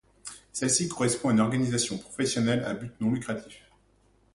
Celle-ci correspond à une organisation professionnelle à but non lucratif.